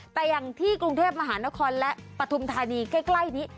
แต่อย่างที่กรุงเทพมหานครและปฐุมธานีใกล้นี้